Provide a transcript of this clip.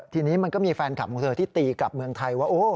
ทีนี้มันก็มีแฟนคลับของเธอที่ตีกลับเมืองไทยว่า